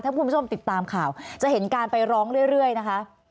ถ้าคุณผู้ชมติดตามข่าวจะเห็นการไปร้องเรื่อยนะคะ